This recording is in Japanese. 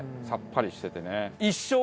さっぱりしててね。